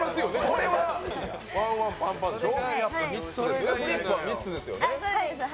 これはわんわんパンパンでしょ。